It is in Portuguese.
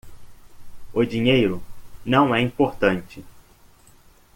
O dinheiro não é importante.